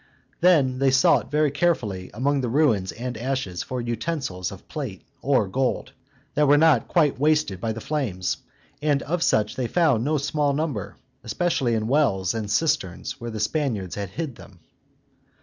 Then they sought very carefully among the ruins and ashes, for utensils of plate or gold, that were not quite wasted by the flames: and of such they found no small number, especially in wells and cisterns, where the Spaniards had hid them.